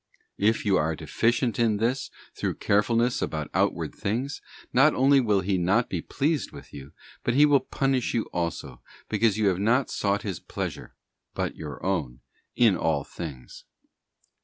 If you are deficient in this through carefulness about outward things, not only will He not be pleased with you, but He will punish you also, because you have not sought His pleasure, but your own, in all things.